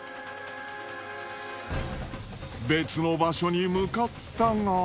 別の場所に向かったが。